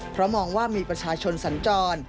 เพราะมองว่ามีประชาชนสัญจร